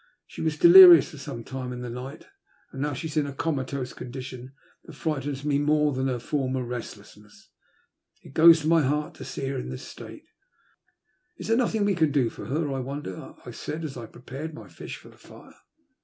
She was delirious for some time in the night, and now she is in a comatose condition that frightens me more than her former restlessness. It goes to my heart to see her in this state." Is there nothing we can do for her, I wonder? " I said, as I prepared my fish for the fire.